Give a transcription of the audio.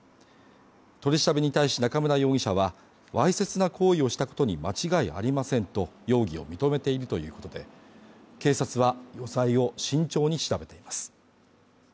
取り調べに対し中村容疑者はわいせつな行為をしたことに間違いありませんと容疑を認めているということで、警察は余罪を慎重に調べています。